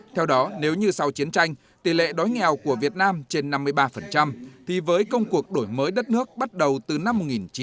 theo đó nếu như sau chiến tranh tỷ lệ đói nghèo của việt nam trên năm mươi ba thì với công cuộc đổi mới đất nước bắt đầu từ năm một nghìn chín trăm tám mươi